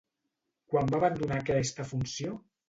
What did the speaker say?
Quan va abandonar aquesta funció?